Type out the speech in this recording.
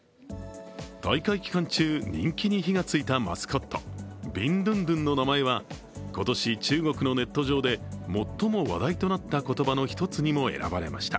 大会期間中、人気に火がついたマスコット、ビンドゥンドゥンの名前は、今年中国のネット上で最も話題となった言葉の１つにも選ばれました。